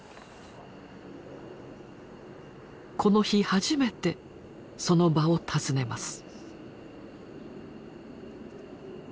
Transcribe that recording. この日初めてその場を訪ねます。